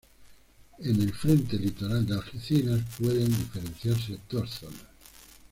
En el frente litoral de Algeciras pueden diferenciarse dos zonas.